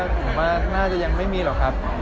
ก็ยังไม่มีหรอครับ